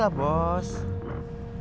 kalau lo liatnya